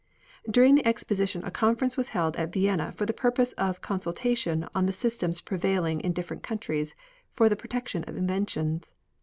During the exposition a conference was held at Vienna for the purpose of consultation on the systems prevailing in different countries for the protection of inventions.